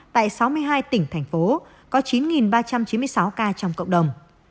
tại sáu mươi hai tỉnh thành phố có chín ba trăm chín mươi sáu ca trong cộng đồng